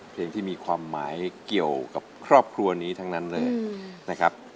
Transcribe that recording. เพลงที่มีความหมายเกี่ยวกับครอบครัวนี้ทั้งนั้นเลยนะครับ